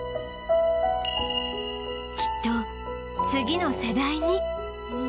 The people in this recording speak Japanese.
きっと次の世代に